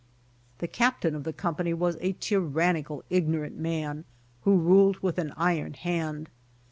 The captain of the company was a tyrannical, ignorant man, who ruled with an iron hand.